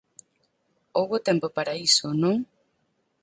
Houbo tempo para iso, non?